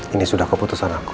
ini sudah keputusan aku